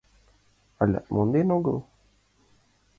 Алят монден огыл?